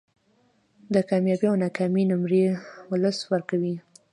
د کامیابۍ او ناکامۍ نمرې ولس ورکړي